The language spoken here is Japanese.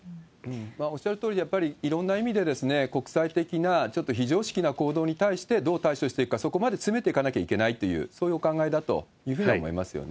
おっしゃるとおりで、いろんな意味で国際的なちょっと非常識な行動に対してどう対処していくか、そこまで詰めていかなきゃいけないという、そういうお考えだというふうには思いますよね。